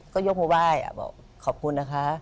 ก็ยกมือไหว้บอกขอบคุณนะคะ